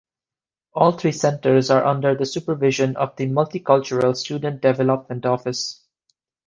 All three centers are under the supervision of the Multicultural Student Development Office.